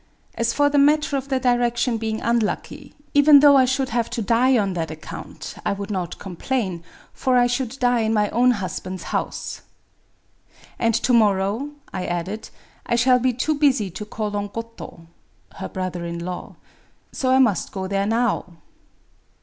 As for the matter of the direction being unlucky, even though I should have to die on that account, I would not complain ; for I should die in my own husband's house. ... And to mor row," I added, " I shall be too busy to call on Goto [her brother 'in'law'] : so I must go there now."